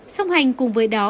xong hành cùng với đó